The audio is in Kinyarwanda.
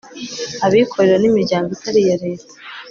abikorera n' imiryango itari iya leta